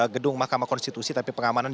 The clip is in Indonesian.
gedung mahkamah konstitusi tapi pengamanan